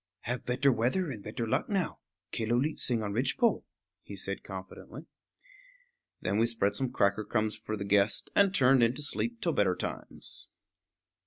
"Have better weather and better luck now. Killooleet sing on ridgepole," he said confidently. Then we spread some cracker crumbs for the guest and turned in to sleep till better times.